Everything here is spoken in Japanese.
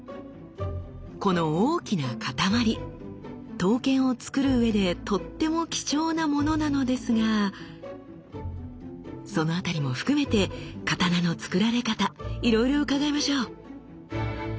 この大きな塊刀剣をつくるうえでとっても貴重なものなのですがその辺りも含めて刀のつくられ方いろいろ伺いましょう。